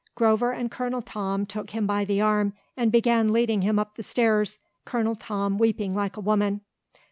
Grover and Colonel Tom took him by the arm and began leading him up the stairs, Colonel Tom weeping like a woman.